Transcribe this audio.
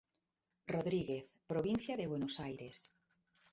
Rodríguez, Provincia de Buenos Aires.